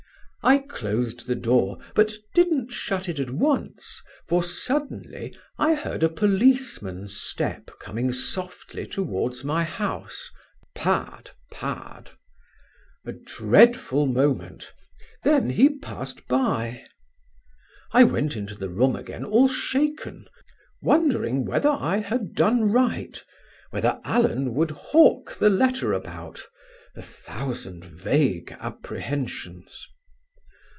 I closed the door; but didn't shut it at once, for suddenly I heard a policeman's step coming softly towards my house pad, pad! A dreadful moment, then he passed by. I went into the room again all shaken, wondering whether I had done right, whether Allen would hawk the letter about a thousand vague apprehensions.